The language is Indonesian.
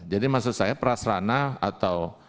jadi maksud saya prasarana atau